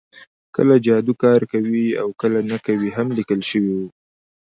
کله جادو کار کوي او کله نه کوي هم لیکل شوي وو